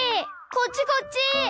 こっちこっち！